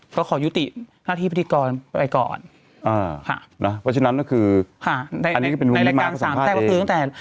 เขาขอยุติหน้าที่พฤติกรไปก่อนอ่าว่าฉะนั้นก็คืออันนี้เป็นพี่ม้าก็สัมภาษณ์เอง